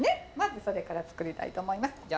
まずそれから作りたいと思います！